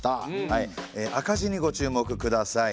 赤字にご注目ください。